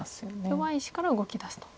弱い石から動きだすと。